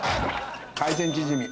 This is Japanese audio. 海鮮チヂミ。